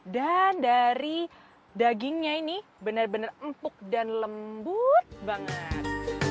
dan dari dagingnya ini benar benar empuk dan lembut banget